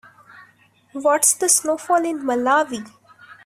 What's the snowfall in Malawi?